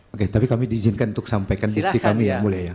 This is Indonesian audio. oke tapi kami diizinkan untuk sampaikan bukti kami yang mulia ya